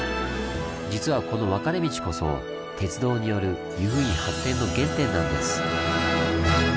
実はこの分かれ道こそ鉄道による由布院発展の原点なんです。